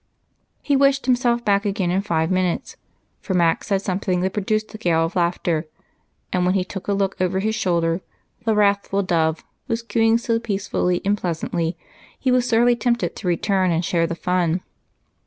He wished himself back again in five minutes, for Mac said something that produced a gale of laughter, and when he took a look over his shoulder the "wrathful dove" was cooing so peacefully and pleasantly he was sorely tempted to return and share the fun.